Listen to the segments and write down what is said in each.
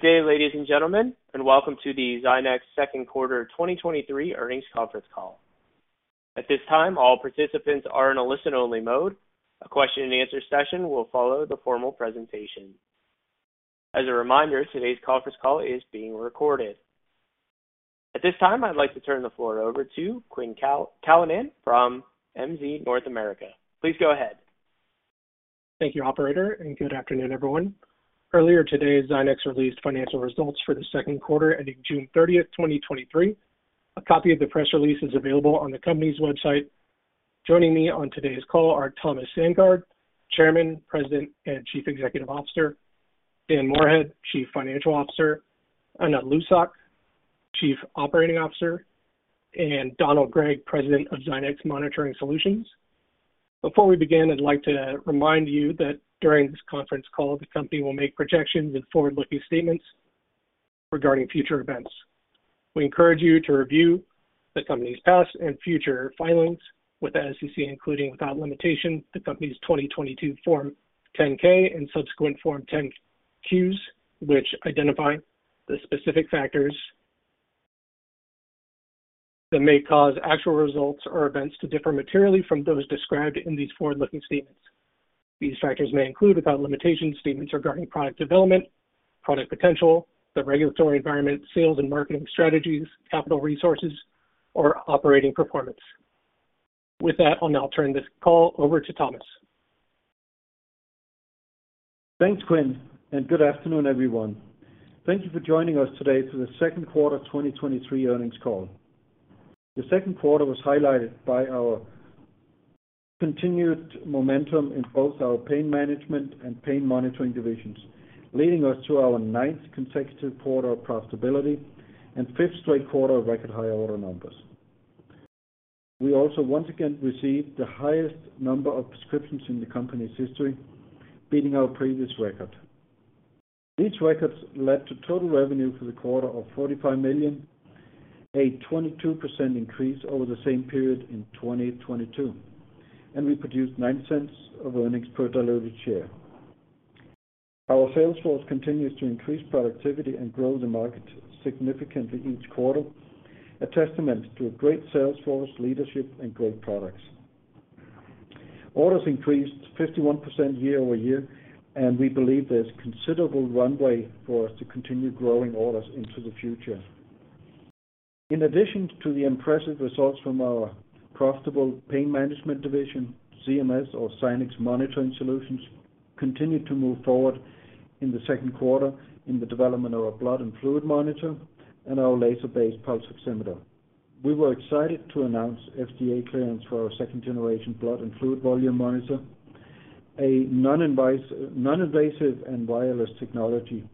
Good day, ladies and gentlemen, and welcome to the Zynex Second Quarter 2023 Earnings Conference Call. At this time, all participants are in a listen-only mode. A question-and-answer session will follow the formal presentation. As a reminder, today's conference call is being recorded. At this time, I'd like to turn the floor over to Quinn Callanan from MZ North America. Please go ahead. Thank you, operator. Good afternoon, everyone. Earlier today, Zynex released financial results for the second quarter ending June thirtieth, 2023. A copy of the press release is available on the company's website. Joining me on today's call are Thomas Sandgaard, Chairman, President, and Chief Executive Officer, Dan Moorhead, Chief Financial Officer, Anna Lucsok, Chief Operating Officer, and Donald Gregg, President of Zynex Monitoring Solutions. Before we begin, I'd like to remind you that during this conference call, the company will make projections and forward-looking statements regarding future events. We encourage you to review the company's past and future filings with the SEC, including without limitation, the company's 2022 Form 10-K and subsequent Form 10-Qs, which identify the specific factors that may cause actual results or events to differ materially from those described in these forward-looking statements. These factors may include, without limitation, statements regarding product development, product potential, the regulatory environment, sales and marketing strategies, capital resources, or operating performance. With that, I'll now turn this call over to Thomas. Thanks, Quinn. Good afternoon, everyone. Thank you for joining us today for the second quarter 2023 earnings call. The second quarter was highlighted by our continued momentum in both our pain management and patient monitoring divisions, leading us to our ninth consecutive quarter of profitability and fifth straight quarter of record high order numbers. We also once again received the highest number of prescriptions in the company's history, beating our previous record. These records led to total revenue for the quarter of $45 million, a 22% increase over the same period in 2022, and we produced $0.09 of earnings per diluted share. Our sales force continues to increase productivity and grow the market significantly each quarter, a testament to a great sales force, leadership, and great products. Orders increased 51% year-over-year. We believe there's considerable runway for us to continue growing orders into the future. In addition to the impressive results from our profitable pain management division, ZMS or Zynex Monitoring Solutions, continued to move forward in the second quarter in the development of our blood and fluid monitor and our laser-based pulse oximeter. We were excited to announce FDA clearance for our second-generation blood and fluid volume monitor, a non-invasive and wireless technology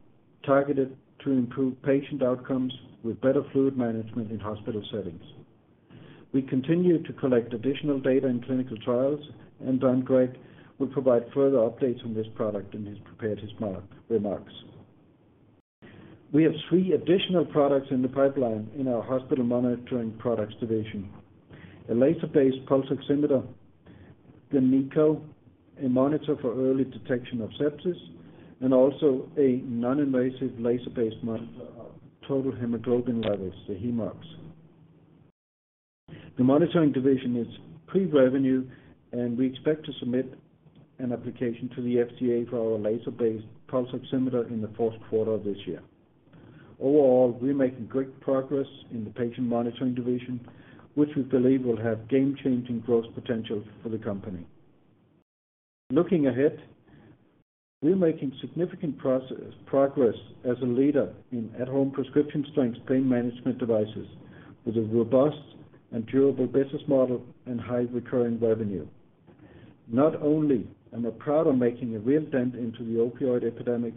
targeted to improve patient outcomes with better fluid management in hospital settings. We continue to collect additional data in clinical trials. Don Gregg will provide further updates on this product and he's prepared his remarks. We have three additional products in the pipeline in our hospital monitoring products division. A laser-based pulse oximeter, the NiCO, a monitor for early detection of sepsis, and also a non-invasive laser-based monitor of total hemoglobin levels, the HemeOx. The Monitoring Solutions division is pre-revenue, and we expect to submit an application to the FDA for our laser-based pulse oximeter in the fourth quarter of this year. Overall, we're making great progress in the patient monitoring division, which we believe will have game-changing growth potential for the company. Looking ahead, we're making significant progress as a leader in at-home prescription strength pain management devices with a robust and durable business model and high recurring revenue. Not only are we proud of making a real dent into the opioid epidemic,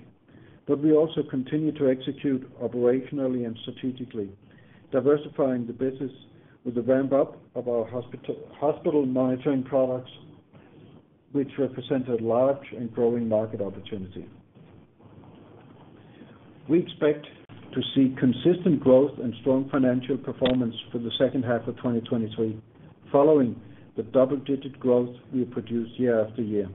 but we also continue to execute operationally and strategically, diversifying the business with the ramp-up of our hospital monitoring products, which represent a large and growing market opportunity. We expect to see consistent growth and strong financial performance for the second half of 2023, following the double-digit growth we produce year-after-year.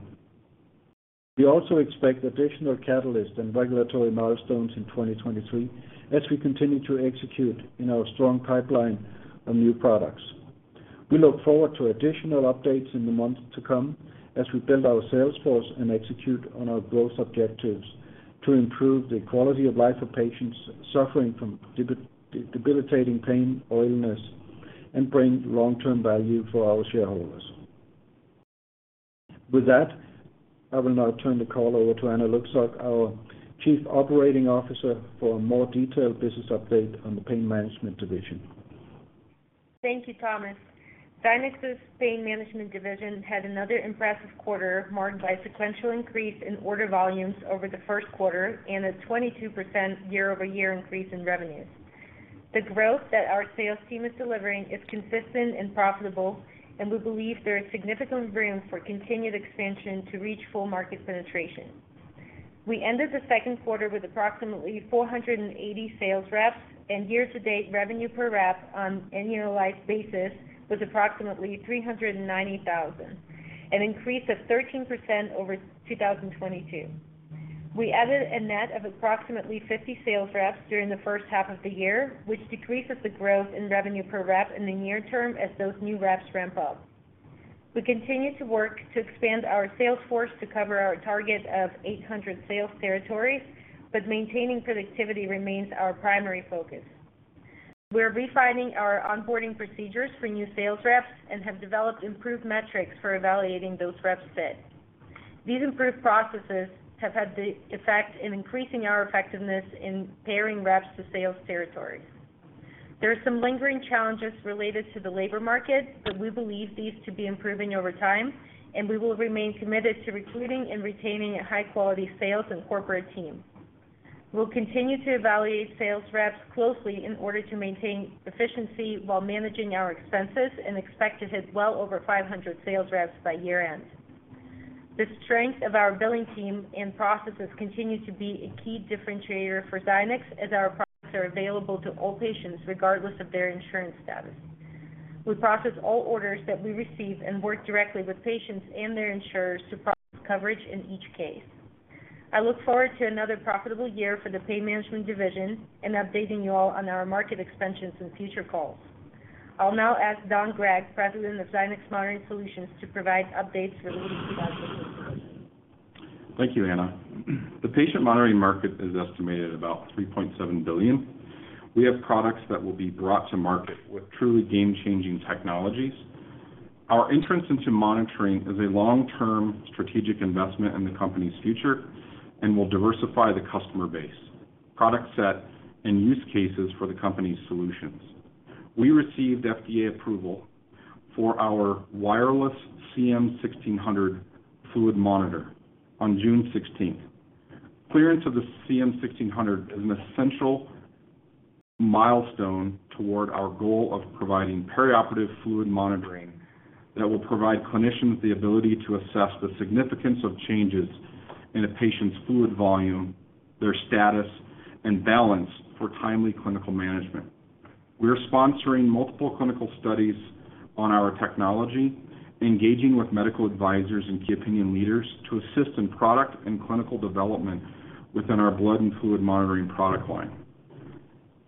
We also expect additional catalysts and regulatory milestones in 2023 as we continue to execute in our strong pipeline of new products. We look forward to additional updates in the months to come as we build our sales force and execute on our growth objectives to improve the quality of life of patients suffering from debilitating pain or illness and bring long-term value for our shareholders. With that, I will now turn the call over to Anna Lucsok, our Chief Operating Officer, for a more detailed business update on the pain management division. Thank you, Thomas. Zynex's pain management division had another impressive quarter, marked by sequential increase in order volumes over the first quarter and a 22% year-over-year increase in revenues. The growth that our sales team is delivering is consistent and profitable, and we believe there is significant room for continued expansion to reach full market penetration. We ended the second quarter with approximately 480 sales reps, and year-to-date revenue per rep on an annualized basis was approximately $390,000, an increase of 13% over 2022. We added a net of approximately 50 sales reps during the first half of the year, which decreases the growth in revenue per rep in the near term as those new reps ramp up. We continue to work to expand our sales force to cover our target of 800 sales territories, but maintaining productivity remains our primary focus. We're refining our onboarding procedures for new sales reps and have developed improved metrics for evaluating those reps fit. These improved processes have had the effect in increasing our effectiveness in pairing reps to sales territories. There are some lingering challenges related to the labor market, but we believe these to be improving over time, and we will remain committed to recruiting and retaining a high-quality sales and corporate team. We'll continue to evaluate sales reps closely in order to maintain efficiency while managing our expenses, and expect to hit well over 500 sales reps by year-end. The strength of our billing team and processes continues to be a key differentiator for Zynex, as our products are available to all patients, regardless of their insurance status. We process all orders that we receive and work directly with patients and their insurers to process coverage in each case. I look forward to another profitable year for the pain management division and updating you all on our market expansions in future calls. I'll now ask Don Gregg, President of Zynex Monitoring Solutions, to provide updates related to that business division. Thank you, Anna. The patient monitoring market is estimated at about $3.7 billion. We have products that will be brought to market with truly game-changing technologies. Our entrance into monitoring is a long-term strategic investment in the company's future and will diversify the customer base, product set, and use cases for the company's solutions. We received FDA approval for our wireless CM-1600 fluid monitor on June 16. Clearance of the CM-1600 is an essential milestone toward our goal of providing perioperative fluid monitoring that will provide clinicians the ability to assess the significance of changes in a patient's fluid volume, their status, and balance for timely clinical management. We are sponsoring multiple clinical studies on our technology, engaging with medical advisors and key opinion leaders to assist in product and clinical development within our blood and fluid monitoring product line.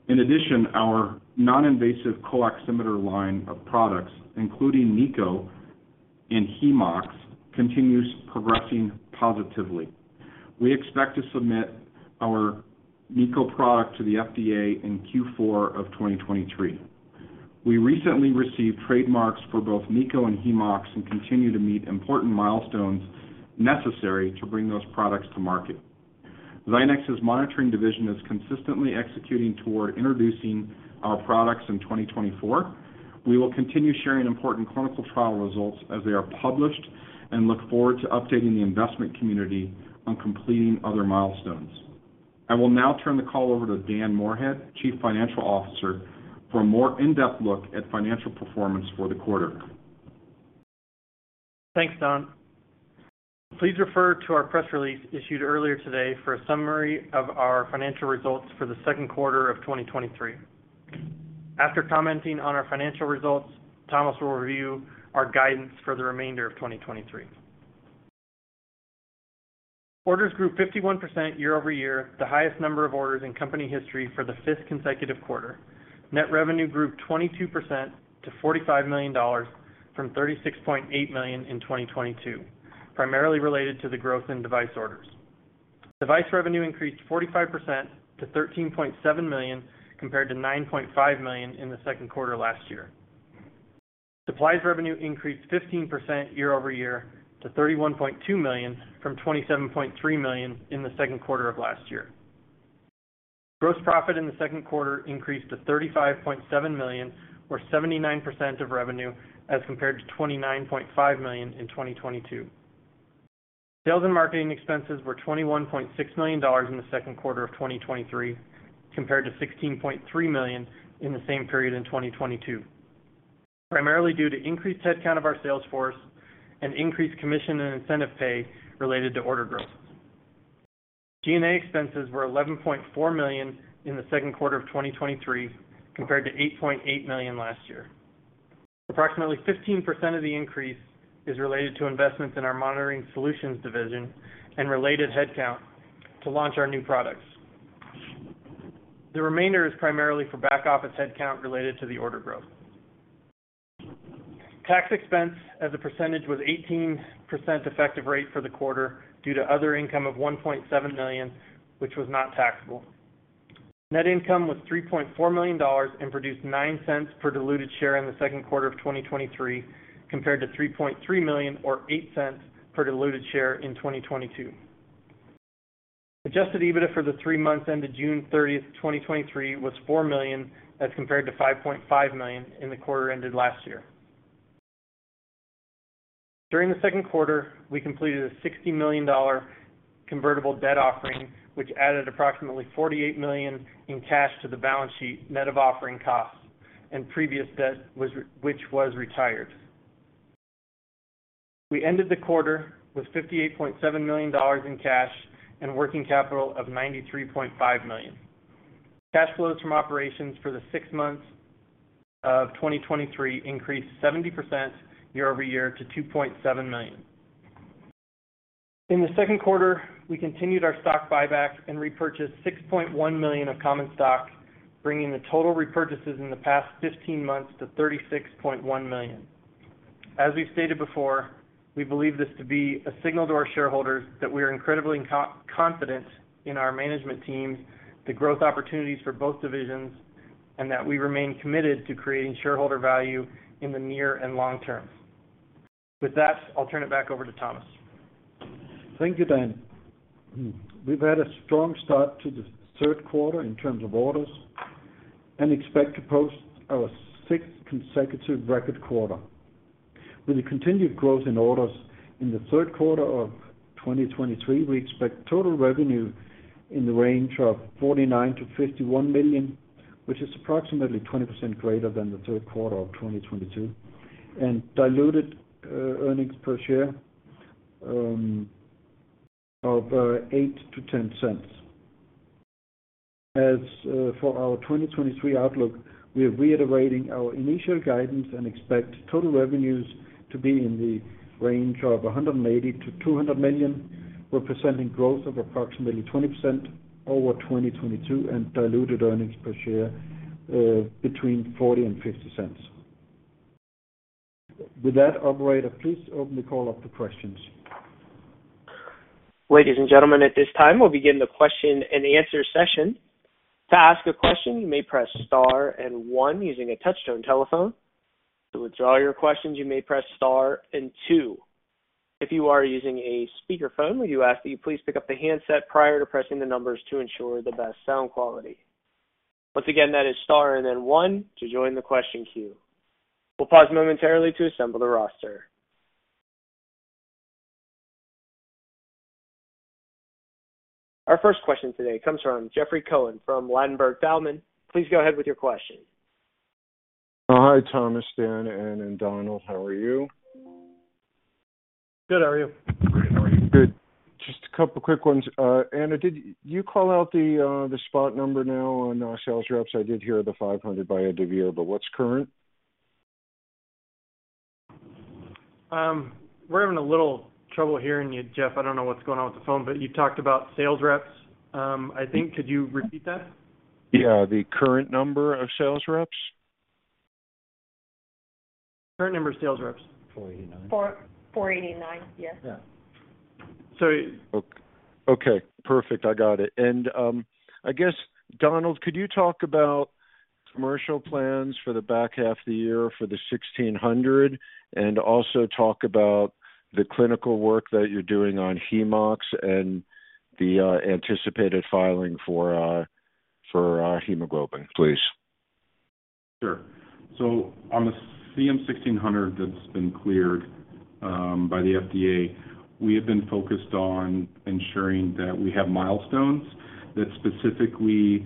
In addition, our non-invasive CO-Oximeter line of products, including NiCO and HemeOx, continues progressing positively. We expect to submit our NiCO product to the FDA in Q4 of 2023. We recently received trademarks for both NiCO and HemeOx, and continue to meet important milestones necessary to bring those products to market. Zynex's Monitoring Solutions division is consistently executing toward introducing our products in 2024. We will continue sharing important clinical trial results as they are published, and look forward to updating the investment community on completing other milestones. I will now turn the call over to Dan Moorhead, Chief Financial Officer, for a more in-depth look at financial performance for the quarter. Thanks, Don. Please refer to our press release issued earlier today for a summary of our financial results for the second quarter of 2023. After commenting on our financial results, Thomas will review our guidance for the remainder of 2023. Orders grew 51% year-over-year, the highest number of orders in company history for the fifth consecutive quarter. Net revenue grew 22% to $45 million from $36.8 million in 2022, primarily related to the growth in device orders. Device revenue increased 45% to $13.7 million, compared to $9.5 million in the second quarter last year. Supplies revenue increased 15% year-over-year to $31.2 million, from $27.3 million in the second quarter of last year. Gross profit in the second quarter increased to $35.7 million, or 79% of revenue, as compared to $29.5 million in 2022. Sales and marketing expenses were $21.6 million in the second quarter of 2023, compared to $16.3 million in the same period in 2022, primarily due to increased headcount of our sales force and increased commission and incentive pay related to order growth. G&A expenses were $11.4 million in the second quarter of 2023, compared to $8.8 million last year. Approximately 15% of the increase is related to investments in our Monitoring Solutions division and related headcount to launch our new products. The remainder is primarily for back office headcount related to the order growth. Tax expense as a percentage was 18% effective rate for the quarter, due to other income of $1.7 million, which was not taxable. Net income was $3.4 million and produced $0.09 per diluted share in the second quarter of 2023, compared to $3.3 million or $0.08 per diluted share in 2022. Adjusted EBITDA for the three months ended June 30th, 2023, was $4.0 million, as compared to $5.5 million in the quarter ended 2022. During the second quarter, we completed a $60 million convertible debt offering, which added approximately $48 million in cash to the balance sheet, net of offering costs and previous debt which was retired. We ended the quarter with $58.7 million in cash and working capital of $93.5 million. Cash flows from operations for the six months of 2023 increased 70% year-over-year to $2.7 million. In the second quarter, we continued our stock buyback and repurchased $6.1 million of common stock, bringing the total repurchases in the past 15 months to $36.1 million. As we've stated before, we believe this to be a signal to our shareholders that we are incredibly confident in our management team, the growth opportunities for both divisions, and that we remain committed to creating shareholder value in the near and long term. With that, I'll turn it back over to Thomas. Thank you, Dan. We've had a strong start to the third quarter in terms of orders and expect to post our sixth consecutive record quarter. With the continued growth in orders in the third quarter of 2023, we expect total revenue in the range of $49 million-$51 million, which is approximately 20% greater than the third quarter of 2022, and diluted earnings per share of $0.08-$0.10. As for our 2023 outlook, we are reiterating our initial guidance and expect total revenues to be in the range of $180 million-$200 million, representing growth of approximately 20% over 2022, and diluted earnings per share between $0.40 and $0.50. With that, operator, please open the call up to questions. Ladies and gentlemen, at this time, we'll begin the question and answer session. To ask a question, you may press star and one using a touchtone telephone. To withdraw your questions, you may press star and two. If you are using a speakerphone, we would ask that you please pick up the handset prior to pressing the numbers to ensure the best sound quality. Once again, that is star and then one to join the question queue. We'll pause momentarily to assemble the roster. Our first question today comes from Jeffrey Cohen from Ladenburg Thalmann. Please go ahead with your question. Hi, Thomas, Dan, and Donald. How are you? Good. How are you? Great. How are you? Good. Just a couple quick ones. Anna, did you call out the the spot number now on our sales reps? I did hear the 500 by Advio, but what's current? We're having a little trouble hearing you, Jeff. I don't know what's going on with the phone, but you talked about sales reps, I think. Could you repeat that? Yeah, the current number of sales reps. Current number of sales reps. Four eighty-nine. Four, Four eighty-nine. Yes. Yeah. So-Okay, perfect. I got it. I guess, Donald, could you talk about commercial plans for the back half of the year for the 1,600, and also talk about the clinical work that you're doing on HemeOx and the anticipated filing for hemoglobin, please? Sure. On the CM-1600, that's been cleared by the FDA, we have been focused on ensuring that we have milestones that specifically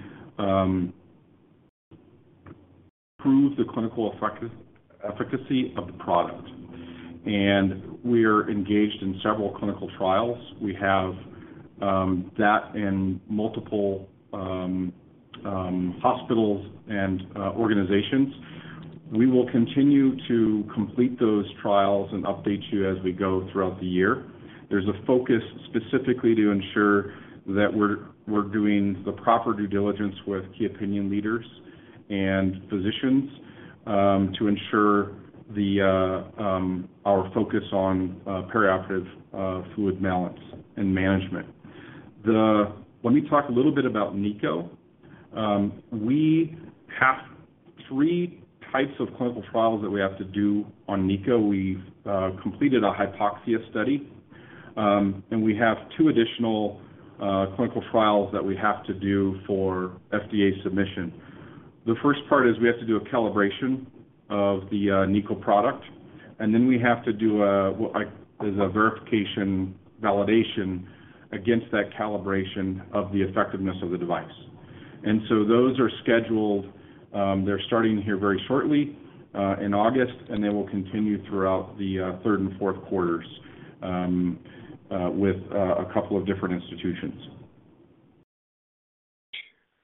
prove the clinical efficacy of the product. We are engaged in several clinical trials. We have that in multiple hospitals and organizations. We will continue to complete those trials and update you as we go throughout the year. There's a focus specifically to ensure that we're doing the proper due diligence with key opinion leaders and physicians to ensure our focus on perioperative fluid balance and management. Let me talk a little bit about NiCO. We have three types of clinical trials that we have to do on NiCO. We've completed a hypoxia study, and we have two additional clinical trials that we have to do for FDA submission. The first part is we have to do a calibration of the NiCO product, and then we have to do a verification, validation against that calibration of the effectiveness of the device. So those are scheduled, they're starting here very shortly, in August, and they will continue throughout the third and fourth quarters, with a couple of different institutions.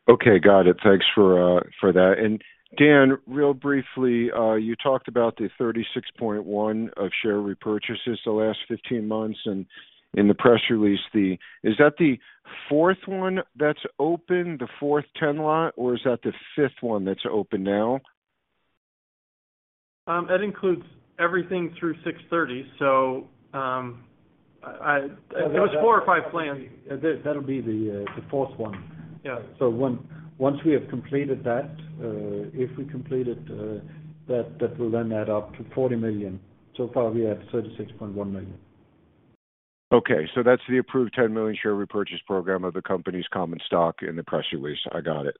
Okay, got it. Thanks for that. Dan, real briefly, you talked about the $36.1 million of share repurchases the last 15 months, and in the press release, is that the fourth one that's open, the fourth ten lot, or is that the fifth one that's open now? That includes everything through 6/30, so it was four or 5five plans. That'll be the, the fourth one. Yeah. Once we have completed that, if we completed that, that will then add up to $40 million. So far, we have $36.1 million. Okay, that's the approved 10 million share repurchase program of the company's common stock in the press release. I got it.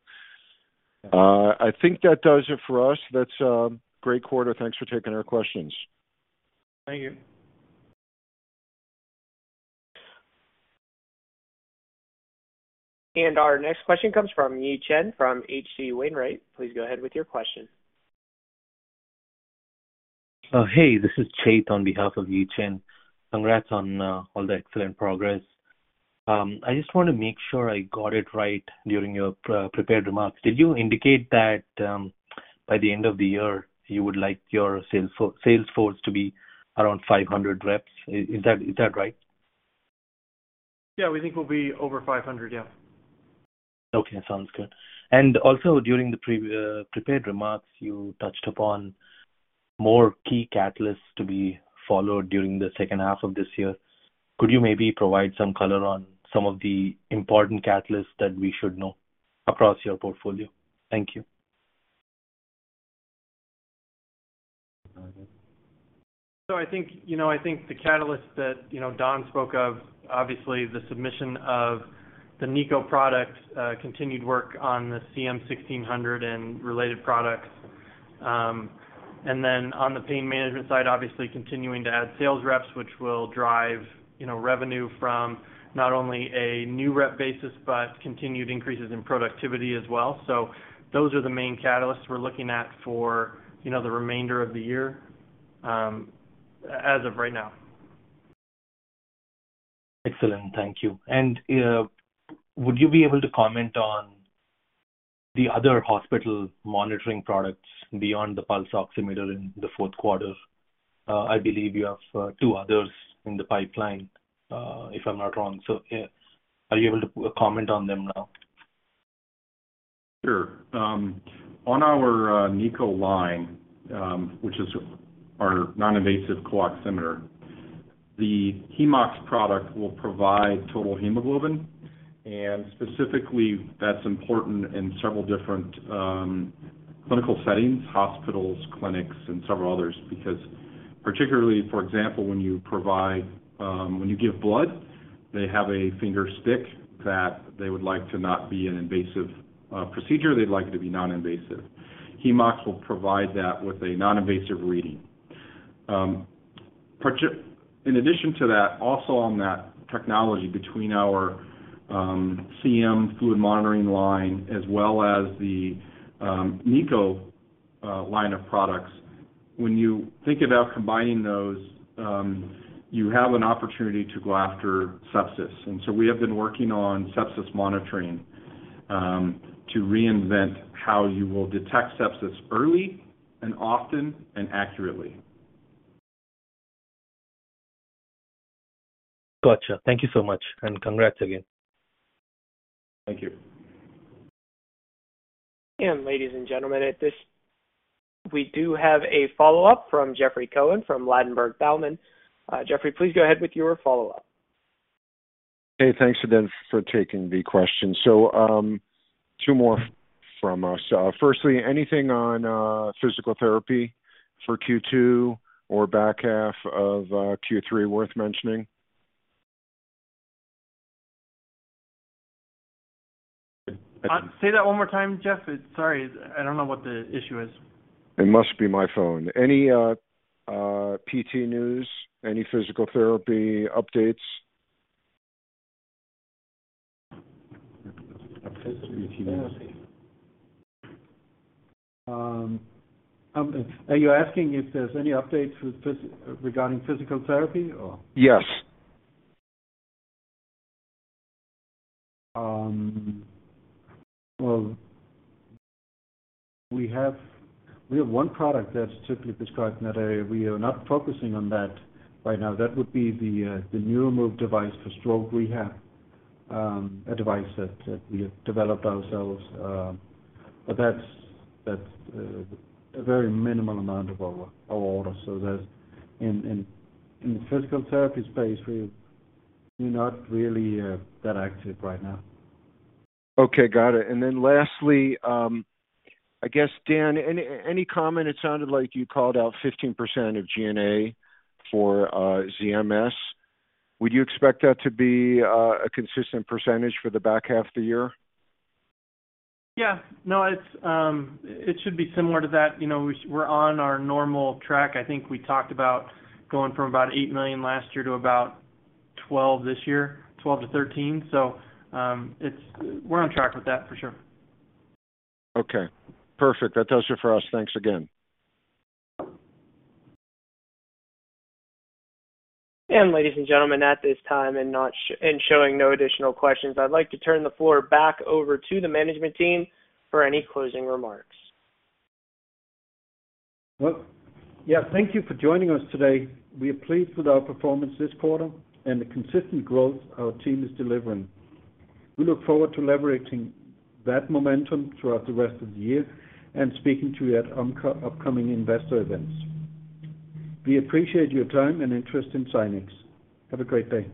I think that does it for us. That's a great quarter. Thanks for taking our questions. Thank you. Our next question comes from Yi Chen, from HC Wainwright. Please go ahead with your question. Hey, this is Chait on behalf of Yichang. Congrats on all the excellent progress. I just want to make sure I got it right during your prepared remarks, did you indicate that by the end of the year, you would like your sales force to be around 500 reps? Is, is that, is that right? Yeah, we think we'll be over 500. Yeah. Okay, sounds good. Also during the prepared remarks, you touched upon more key catalysts to be followed during the second half of this year. Could you maybe provide some color on some of the important catalysts that we should know across your portfolio? Thank you. I think, you know, I think the catalyst that, you know, Don spoke of, obviously, the submission of the NiCO product, continued work on the CM-1600 and related products. On the pain management side, obviously continuing to add sales reps, which will drive, you know, revenue from not only a new rep basis, but continued increases in productivity as well. Those are the main catalysts we're looking at for, you know, the remainder of the year, as of right now. Excellent. Thank you. Would you be able to comment on the other hospital monitoring products beyond the pulse oximeter in the fourth quarter? I believe you have two others in the pipeline, if I'm not wrong. Yeah. Are you able to comment on them now? Sure. On our NiCO line, which is our non-invasive CO-Oximeter, the HemeOx product will provide total hemoglobin, and specifically, that's important in several different clinical settings, hospitals, clinics, and several others. Because particularly, for example, when you provide, when you give blood, they have a finger stick that they would like to not be an invasive procedure. They'd like it to be non-invasive. HemeOx will provide that with a non-invasive reading. In addition to that, also on that technology between our CM fluid monitoring line as well as the NiCO line of products, when you think about combining those, you have an opportunity to go after sepsis. We have been working on sepsis monitoring to reinvent how you will detect sepsis early and often and accurately. Gotcha. Thank you so much, and congrats again. Thank you. ladies and gentlemen, at this, we do have a follow-up from Jeffrey Cohen from Ladenburg Thalmann. Jeffrey, please go ahead with your follow-up. Hey, thanks again for taking the question. Two more from us. Firstly, anything on physical therapy for Q2 or back half of Q3 worth mentioning? Say that one more time, Jeff. Sorry, I don't know what the issue is. It must be my phone. Any, PT news, any physical therapy updates? Physical therapy. Are you asking if there's any updates regarding physical therapy, or? Yes. Well, we have, we have one product that's typically prescribed in that area. We are not focusing on that right now. That would be the Neuromove device for stroke rehab, a device that, that we have developed ourselves. But that's, that's, a very minimal amount of our, our order. That's in, in, in the physical therapy space, we're, we're not really, that active right now. Okay, got it. Lastly, I guess, Dan, any comment, it sounded like you called out 15% of G&A for ZMS. Would you expect that to be a consistent percentage for the back half of the year? Yeah. No, it's, it should be similar to that. You know, we're, we're on our normal track. I think we talked about going from about $8 million 2022 to about $12 million-$13 million 2023. It's... we're on track with that for sure. Okay, perfect. That does it for us. Thanks again. Ladies and gentlemen, at this time and not showing no additional questions, I'd like to turn the floor back over to the management team for any closing remarks. Well, yeah, thank you for joining us today. We are pleased with our performance this quarter and the consistent growth our team is delivering. We look forward to leveraging that momentum throughout the rest of the year and speaking to you at upcoming investor events. We appreciate your time and interest in Zynex. Have a great day.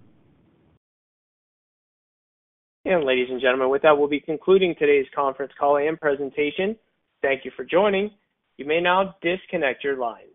Ladies and gentlemen, with that, we'll be concluding today's conference call and presentation. Thank you for joining. You may now disconnect your lines.